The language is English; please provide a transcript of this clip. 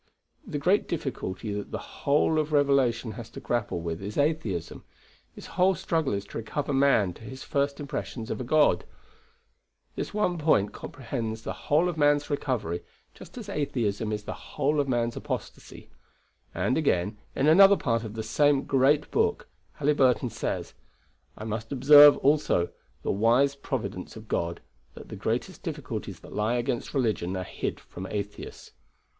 The great difficulty that the whole of revelation has to grapple with is atheism; its whole struggle is to recover man to his first impressions of a God. This one point comprehends the whole of man's recovery, just as atheism is the whole of man's apostasy." And, again, in another part of the same great book, Halyburton says: "I must observe, also, the wise providence of God, that the greatest difficulties that lie against religion are hid from atheists.